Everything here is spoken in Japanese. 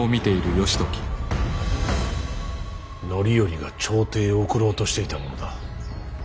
範頼が朝廷へ送ろうとしていたものだ。